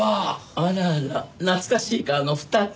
あらあら懐かしい顔が２つ。